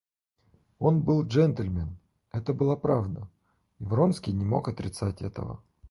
Он был джентльмен — это была правда, и Вронский не мог отрицать этого.